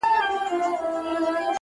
o زما د زړه د كـور ډېـوې خلگ خبــري كوي،